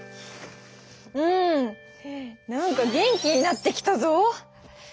うん何か元気になってきたぞ！